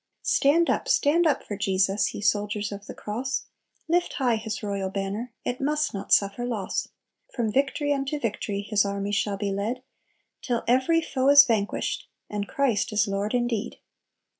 "Stand up, stand up for Jesus! Ye soldiers of the cross; Lift high His royal banner, It must not suffer loss. "From victory to victory His army shall be led, Till every foe is vanquished, And Christ is Lord indeed.